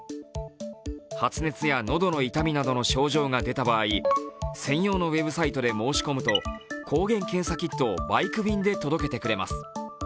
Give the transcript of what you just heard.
発熱や喉の痛みなどの症状が出た場合、専用のウェブサイトで申し込むと抗原検査キットをバイク便で届けてくれます。